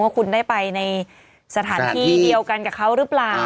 ว่าคุณได้ไปในสถานที่เดียวกันกับเขาหรือเปล่า